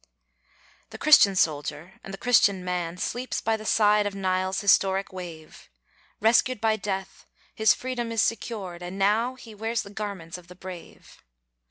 The Christian soldier, and the Christian man, Sleeps by the side of Nile's historic wave, Rescued by Death, his freedom is secured, And now he wears the garments of the brave.